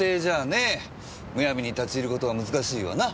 むやみに立ち入る事は難しいわな。